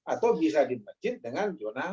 atau bisa di masjid dengan zona